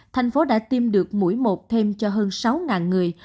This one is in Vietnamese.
thành phố đã tiêm được mũi một thêm cho hơn sáu người